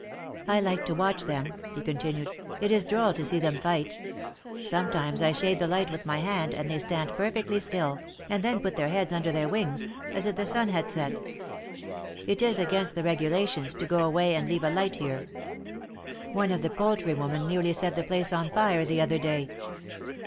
I like to watch them," he continued. It is droll to see them fight. Sometimes I shade the light with my hand, and they stand perfectly still, and then put their heads under their wings, as if the sun had set. It is against the regulations to go away and leave a light here. One of the poultry women nearly set the place on fire the other day."